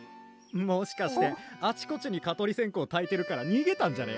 もしかしてあちこちに蚊取りせんこうたいてるからにげたんじゃね？